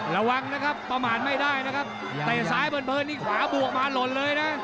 ระวังนะครับประมาณไม่ได้นะครับเตะซ้ายเพลินนี่ขวาบวกมาหล่นเลยนะ